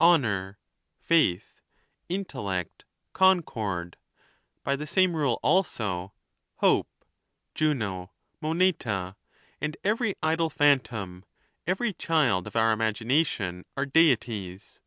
Honor, Faith, Intellect, Concord ; by the same rule also, Hope, Juno, Moneta,' and every idle phantom, every child of our imagination, are Deities.